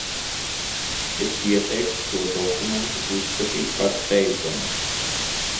Es ieteiktu šo dokumentu uzskatīt par steidzamu.